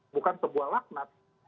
bukan sebuah laknat